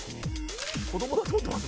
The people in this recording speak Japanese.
子供だと思ってます？